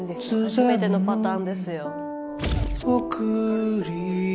初めてのパターンですよ。